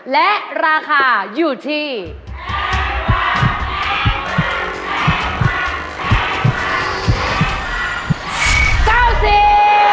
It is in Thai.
และราคาอยู่ที่เท่าไหร่